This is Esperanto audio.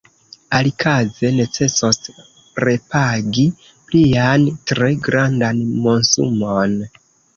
Alikaze necesos repagi plian, tre grandan monsumon.